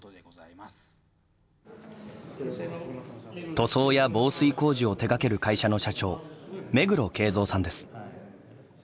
塗装や防水工事を手がける会社の社長目黒啓三さんです。